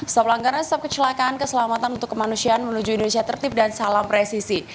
stop langgaran stop kecelakaan keselamatan untuk kemanusiaan menuju indonesia tertib dan salam resisi